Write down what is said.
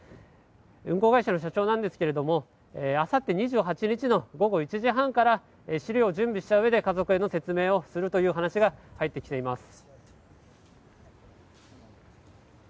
運航会社の社長なんですがあさって２８日の午後１時半から資料を準備したうえで家族への説明をするという話が入ってきています。